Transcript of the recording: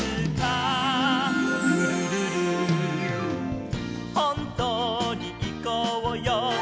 「ルルルル」「ほんとにいこうよ」